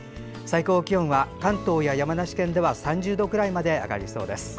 最高気温は関東や山梨県では３０度くらいまで上がりそうです。